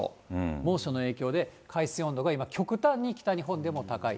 猛暑の影響で海水温度が今、極端に北日本でも高い。